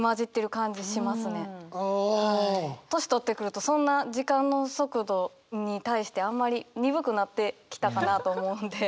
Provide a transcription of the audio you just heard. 年取ってくるとそんな時間の速度に対してあんまり鈍くなってきたかなと思うので。